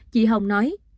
chị hồng nói